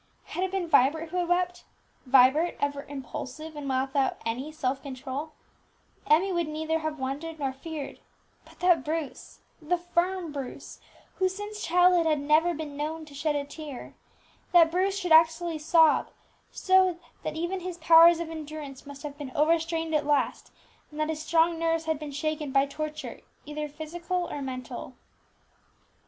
Had it been Vibert who had wept Vibert, ever impulsive, and without any self control Emmie would neither have wondered nor feared; but that Bruce, the firm Bruce, who since childhood had never been known to shed a tear that Bruce should actually sob, showed that even his powers of endurance must have been overstrained at last, and that his strong nerves had been shaken by torture, either physical or mental.